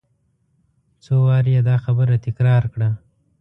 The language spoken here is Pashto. څو وارې یې دا خبره تکرار کړه.